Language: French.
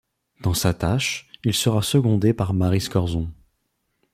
Dans sa tâche, il sera secondé de Maryse Corson.